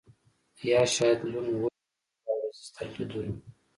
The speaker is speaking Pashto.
یا شاید لون وولف د سبا ورځې ستر لیدونه